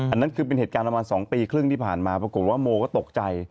อันนั้นคือเป็นเหตุการณ์ประมาณ๒ปีครึ่งที่ผ่านมาปรากฏว่าโมก็ตกใจ